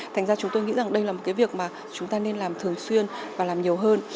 thành ra chúng tôi nghĩ rằng đây là một cái việc mà chúng ta nên làm thường xuyên và làm nhiều hơn